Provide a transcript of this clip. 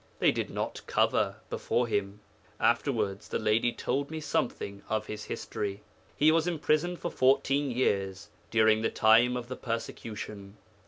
They did not cover before him. Afterwards the ladies told me something of his history. He was imprisoned for fourteen years during the time of the persecution.